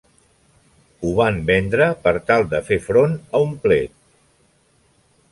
Ho van vendre per tal de fer front a un plet.